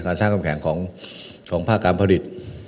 การสร้างกำแข่งของภาคการผลิต